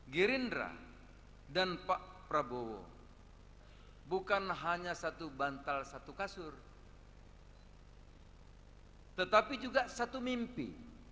gerindra dan pak prabowo bukan hanya satu bantal satu kasur tetapi juga satu mimpi